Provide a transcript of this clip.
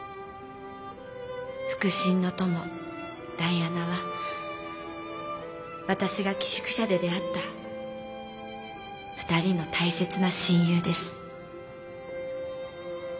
腹心の友ダイアナは私が寄宿舎で出会った２人の大切な親友です。